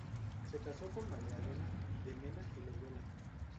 Se casó con Magdalena de Mena y Loyola.